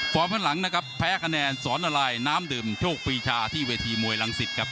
ข้างหลังนะครับแพ้คะแนนสอนอะไรน้ำดื่มโชคฟรีชาที่เวทีมวยรังสิตครับ